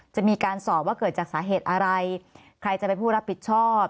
จะมีการสอบว่าเกิดจากสาเหตุอะไรใครจะเป็นผู้รับผิดชอบ